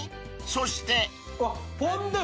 ［そして］